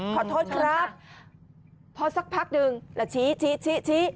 ขอโทษครับพอสักพักหนึ่งแล้วชี้ชี้